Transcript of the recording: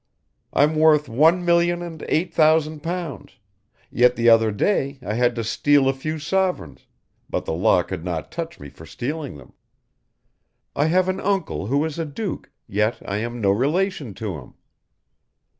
I'm worth one million and eight thousand pounds, yet the other day I had to steal a few sovereigns, but the law could not touch me for stealing them. I have an uncle who is a duke yet I am no relation to him.